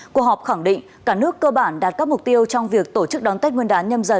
của họp khẳng định cả nước cơ bản đạt các mục tiêu trong việc tổ chức đón tết nguyên đán nhâm dần hai nghìn hai mươi hai